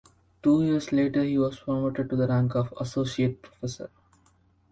Two years later he was promoted to the rank of associate professor.